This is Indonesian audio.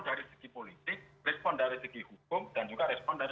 dan juga respon dari segi amanah